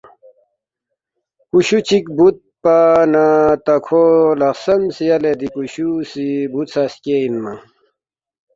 کُشُو چِک بُودپا نہ تا کھو لہ خسمس، ”یلے دی کُشُو سی بُوژھا سکے اِنمنگ